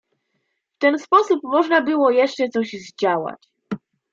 "W ten sposób można było jeszcze coś zdziałać."